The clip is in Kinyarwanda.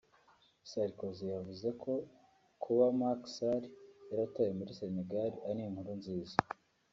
Sarkozy yavuze ko kuba Macky Sall yaratowe muri Senegal ari inkuru nziza